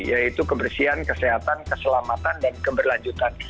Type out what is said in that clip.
yaitu kebersihan kesehatan keselamatan dan keberlanjutan